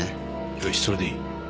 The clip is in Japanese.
よしそれでいい。